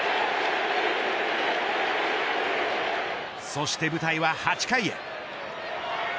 そして舞台は８回へ。